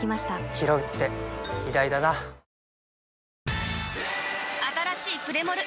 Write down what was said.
ひろうって偉大だなあたらしいプレモル！